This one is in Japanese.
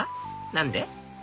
何で？